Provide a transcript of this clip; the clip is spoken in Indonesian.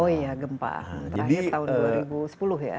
oh iya gempa terakhir tahun dua ribu sepuluh ya